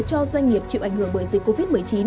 cho doanh nghiệp chịu ảnh hưởng bởi dịch covid một mươi chín